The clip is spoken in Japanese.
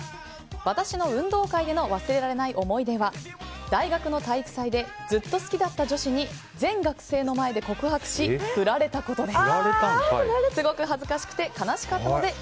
私の運動会での忘れられない思い出は大学の体育祭でずっと好きだった女子に全学生の前で告白し振られたことです。